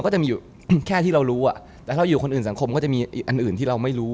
แต่ถ้าเราอยู่คนอื่นสังคมก็จะมีอันอื่นที่เราไม่รู้